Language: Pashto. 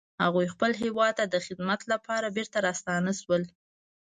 هغوی خپل هیواد ته د خدمت لپاره بیرته راستانه شول